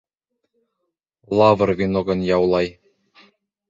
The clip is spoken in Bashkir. Лавр веногын яулау